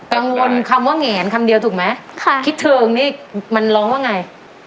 คำว่าแหงคำเดียวถูกไหมค่ะคิดเทิงนี่มันร้องว่าไง